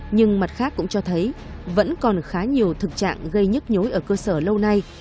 nhưng mặt khác cũng cho thấy vẫn còn khá nhiều thực trạng gây nhức nhối ở cơ sở lâu nay